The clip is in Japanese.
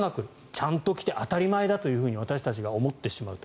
ちゃんと来て当たり前だと私たちが思ってしまうと。